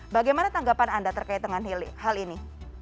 bagaimana tanggapan anda terkait dengan hal ini